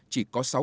chỉ có sáu ca